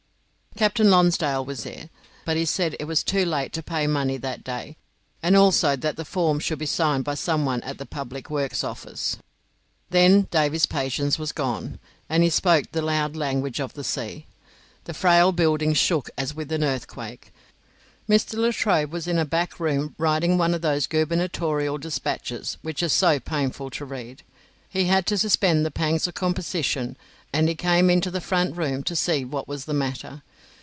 Captain Lonsdale was there, but he said it was too late to pay money that day, and also that the form should be signed by someone at the Public Works office. Then Davy's patience was gone, and he spoke the loud language of the sea. The frail building shook as with an earthquake. Mr. Latrobe was in a back room writing one of those gubernatorial despatches which are so painful to read. He had to suspend the pangs of composition, and he came into the front room to see what was the matter.